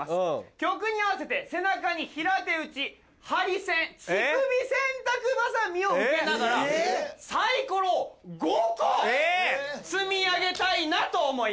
曲に合わせて背中に平手打ちハリセン乳首洗濯ばさみを受けながらサイコロを５個積み上げたいなと思います。